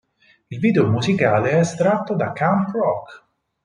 Il video musicale è estratto da "Camp Rock".